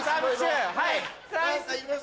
はい。